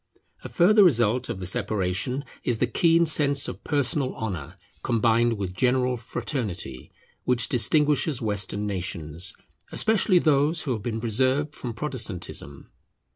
A further result of the separation is the keen sense of personal honour, combined with general fraternity, which distinguishes Western nations, especially those who have been preserved from Protestantism.